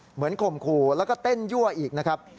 ข่มขู่แล้วก็เต้นยั่วอีกนะครับ